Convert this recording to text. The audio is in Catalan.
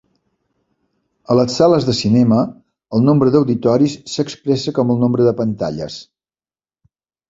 A les sales de cinema, el nombre d'auditoris s'expressa com el nombre de pantalles.